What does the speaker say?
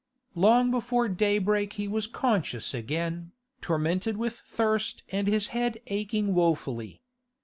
Long before daybreak he was conscious again, tormented with thirst and his head aching woefully.